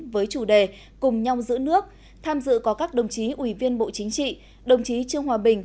với chủ đề cùng nhau giữ nước tham dự có các đồng chí ủy viên bộ chính trị đồng chí trương hòa bình